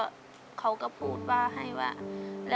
สวัสดีครับน้องเล่จากจังหวัดพิจิตรครับ